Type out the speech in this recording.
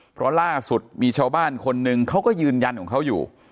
เพราะล่าสุดมีชาวบ้านคนหนึ่งเขาก็ยืนยันของเขาอยู่